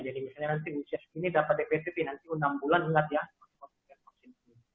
jadi misalnya nanti usia segini dapat defesiti nanti enam bulan ingat ya untuk vaksin pneumonia